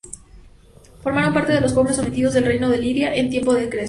Formaron parte de los pueblos sometidos al reino de Lidia en tiempos de Creso.